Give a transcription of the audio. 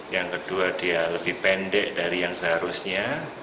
yang kedua dia lebih pendek dari yang seharusnya